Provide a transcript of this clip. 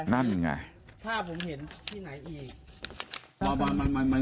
นั่นยังไง